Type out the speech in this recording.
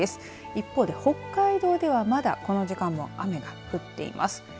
一方で北海道ではまだこの時間も雨が降っています。